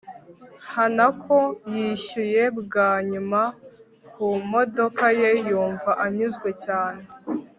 hanako yishyuye bwa nyuma ku modoka ye, yumva anyuzwe cyane